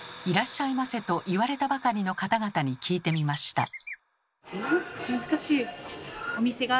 「いらっしゃいませ」と言われたばかりの方々に聞いてみました。